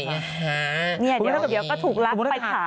เดี๋ยวก็ถูกลับไปถามเรื่องจริง